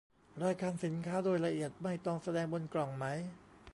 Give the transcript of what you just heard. รายการสินค้าโดยละเอียดไม่ต้องแสดงบนกล่องไหม